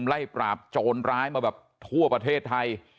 ไล่ปราบโจรร้ายมาแบบทั่วประเทศไทย